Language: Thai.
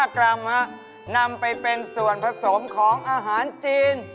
กรัมนำไปเป็นส่วนผสมของอาหารจีน